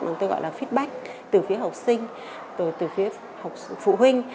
mình tôi gọi là feedback từ phía học sinh từ phía học phụ huynh